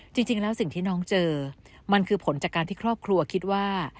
จริงแล้วสิ่งที่น้องเจอมันคือผลจากการที่ครอบครัวคิดว่า